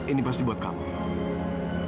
ini pasti buat kamu